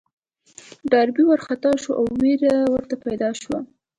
ډاربي وارخطا شو او وېره ورته پيدا شوه.